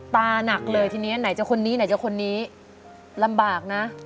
หนักเลยทีนี้ไหนจะคนนี้ไหนจะคนนี้ลำบากนะ